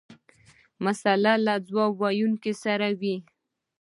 مساله له ځواب ویونکي سره وي.